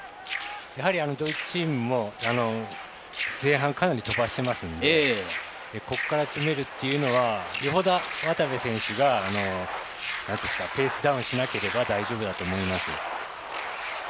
やはりドイツチームも前半、かなり飛ばしていますのでここから詰めるというのはよほど渡部選手がペースダウンしなければ大丈夫だと思います。